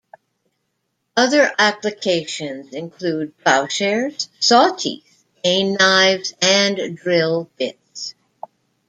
Other applications include ploughshares, saw teeth, cane knives and drill bits.